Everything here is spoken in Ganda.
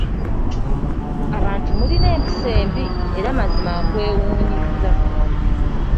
Abantu mulina empisa embi! Era mazima nkwewuunyizza!